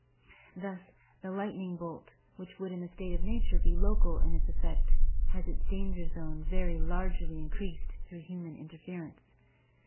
Thus the lightning bolt which would in a state of natur^ be local in its effect has its danger zone very largely increased through human interference.